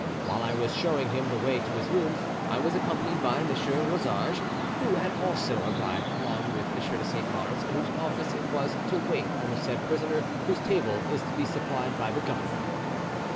While I was showing him the way to his room, I was accompanied by M. Rosarges, who had also arrived along with M. de Saint Mars, and whose office it was to wait on the said prisoner, whose table is to be supplied by the governor."